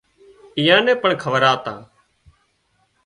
ايئان نين پڻ کوَراوتا